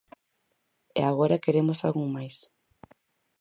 E agora queremos algún máis.